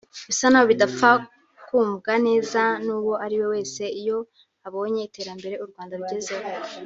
bisa n’aho bidapfa kumvwa neza n’uwo ari we wese iyo abonye iterambere u Rwanda rugezeho